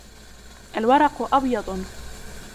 الورق أبيض.